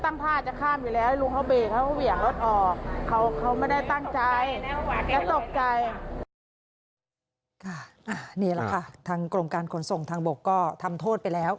นี่แหละค่ะทางกรมการขนส่งทางบกก็ทำโทษไปแล้ว